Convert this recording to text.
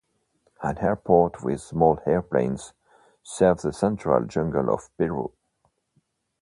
An airport with small airplanes serves the Central Jungle of Peru.